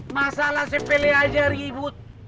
masalah cpl nyari ribut